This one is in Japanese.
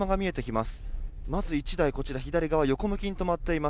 まず１台、左側は横向きに止まっています。